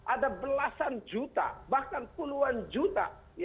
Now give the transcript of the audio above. ada belasan juta bahkan puluhan juta